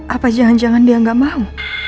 apa jangan jangan dia gak mau